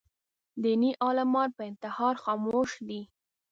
دیني عالمان پر انتحار خاموش دي